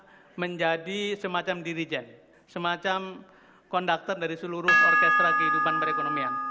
kita menjadi semacam dirijen semacam konduktor dari seluruh orkestra kehidupan perekonomian